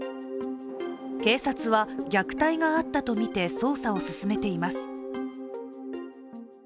警察は虐待があったとみて捜査を進めています。